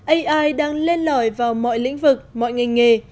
ai đang lên lõi vào mọi lĩnh vực mọi ngành nghề